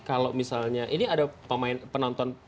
kalau misalnya ini ada penonton